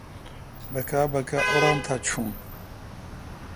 بکا بکا اوران تھا چون